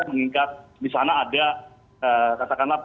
mengingat di sana ada katakanlah